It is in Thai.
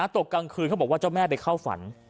ตกกลางคืนเขาบอกว่าเจ้าแม่ไปเข้าฝัน